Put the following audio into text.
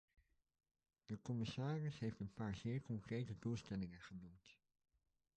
De commissaris heeft een paar zeer concrete doelstellingen genoemd.